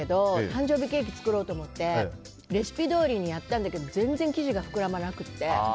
誕生日ケーキ作ろうとしてレシピどおりにやったんだけど全然、生地が膨らまなくて。